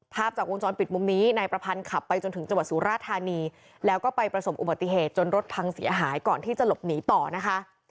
ภาพจากวงจรปิดมุมนี้นายประพันธ์ขับไปจนถึงจังหวัดสุราธานีแล้วก็ไปประสบอุบัติเหตุจนรถพังเสียหายก่อนที่จะหลบหนีต่อนะคะ